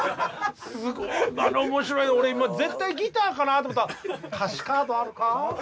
すごい今の面白い俺今絶対ギターかなと思ったら「歌詞カードあるか？」。